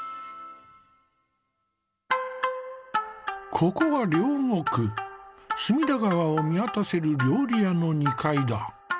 ここは両国隅田川を見渡せる料理屋の２階だ。